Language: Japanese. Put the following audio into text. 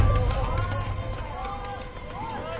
おい！